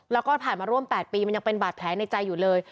แล้วก็ผ่านมาร่วม๘ปีมันยังเป็นบาดแผลในใจอยู่เลย